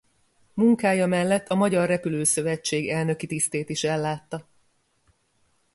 Munkája mellett a Magyar Repülő Szövetség elnöki tisztét is ellátta.